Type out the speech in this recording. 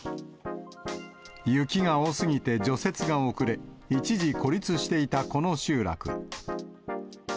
雪が多すぎて除雪が遅れ、一時孤立していたこの集落。